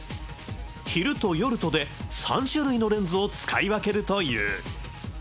昼と夜とで３種類のレンズを使い分けるという。